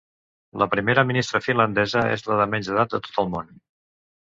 La primera ministra finlandesa és la de menys edat de tot el món